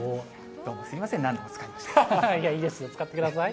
どうもすみません、いいですよ、使ってください。